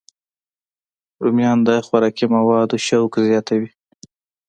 رومیان د خوراکي موادو شوق زیاتوي